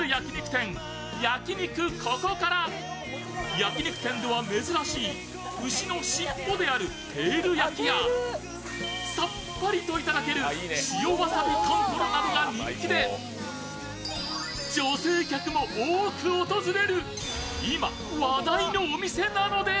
焼き肉店では珍しい牛の尻尾であるテール焼きやさっぱりといただける塩わさび豚トロが人気で、女性客も多く訪れる今、話題のお店なのです。